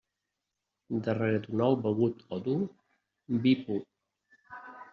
Darrere d'un ou begut o dur, vi pur.